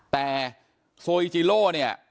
แต่โซอิจิโล่เนี่ย